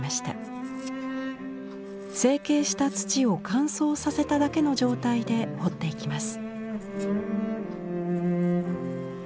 成形した土を乾燥させただけの状態で彫っていきます。